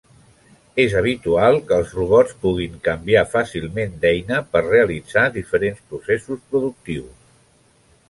És habitual que els robots puguin canviar fàcilment d'eina per realitzar diferents processos productius.